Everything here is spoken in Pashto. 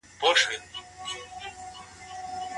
بهرنۍ تګلاره یوازې د خبرو لپاره نه ده.